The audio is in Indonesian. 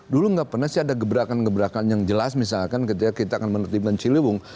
dulu nggak pernah sih ada gebrakan gebrakan yang jelas misalkan ketika kita akan menertibkan ciliwung